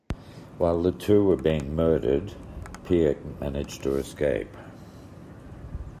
While the two were being murdered, Pieck managed to escape.